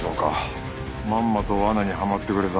まんまと罠にはまってくれたな。